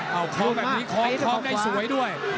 เอาคอมแบบนี้คอมได้สวยด้วย